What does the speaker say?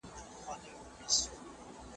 هغه د عادي ژوند ته د ستنېدو هڅه پیل کړه.